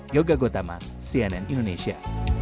yoga gotama cnn indonesia